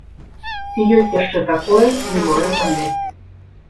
Ці ёсць яшчэ такое, не маю паняцця.